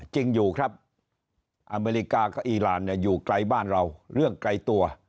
จริงอยู่ครับอเมริกากับอีหลานอยู่ไกลบ้านเรา